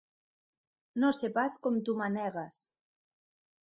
No sé pas com t'ho manegues!